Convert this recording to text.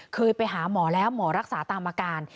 เคยไปหาหมอแล้วหมอรักษาตามอาการ